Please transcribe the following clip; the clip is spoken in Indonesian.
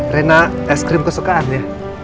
rena es krim kesukaan ya